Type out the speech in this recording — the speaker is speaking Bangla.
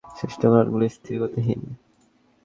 অবশিষ্ট গ্রহগুলো স্থির, গতিহীন।